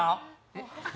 えっ？